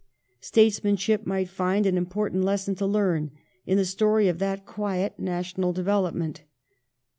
Statesmanship might find an important lesson to learn in the story of that quiet national development.